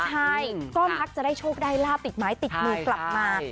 ใช่ก็มักจะได้โชคได้ลาบติดไม้ติดมือกลับมา